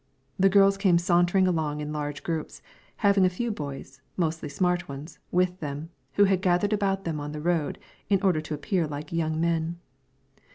The girls came sauntering along in large groups, having a few boys, mostly small ones, with them, who had gathered about them on the road in order to appear like young men.